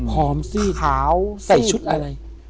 พร้อมสีขาวแสดงชุภิทธิ์